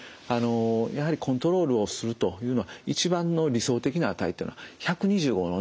やはりコントロールをするというのは一番の理想的な値というのは